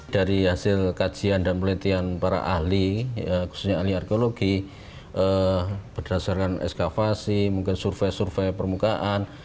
dari hasil kajian dan penelitian para ahli khususnya ahli arkeologi berdasarkan ekskavasi mungkin survei survei permukaan